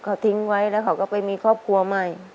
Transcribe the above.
เขาทิ้งไว้แล้วเขาก็ไปมีครอบครัวใหม่